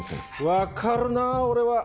分かるなぁ俺は！